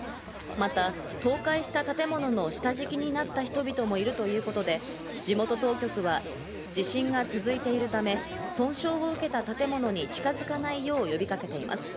また倒壊した建物の下敷きになった人々もいるということで地元当局は、地震が続いているため、損傷を受けた建物に近づかないよう呼びかけています。